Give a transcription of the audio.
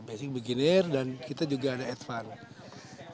basic beginner dan kita juga ada advance